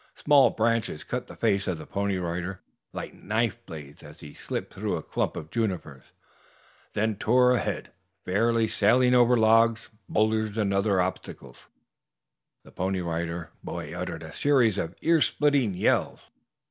Small branches cut the face of the Pony Rider like knife blades as he split through a clump of junipers, then tore ahead, fairly sailing over logs, boulders and other obstructions. The Pony Rider boy uttered a series of earsplitting yells.